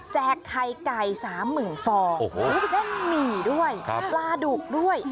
แจกไข่ไก่สามหมื่นฟองโอ้โหด้านหมี่ด้วยครับลาดุกด้วย